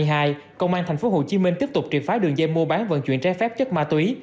năm hai nghìn hai mươi hai công an thành phố hồ chí minh tiếp tục triệt phá đường dây mua bán vận chuyển trái phép chất ma túy